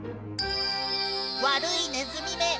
悪いネズミめ！